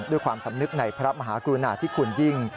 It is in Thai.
ด้วยความสำนึกในพระมหากรุณาที่คุณยิ่ง